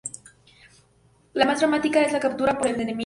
La más dramática es la captura por el enemigo.